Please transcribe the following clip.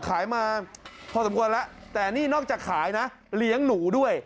ขายมาพอสมควรแล้วแต่นี่นอกจากขายนะเลี้ยงหนูด้วย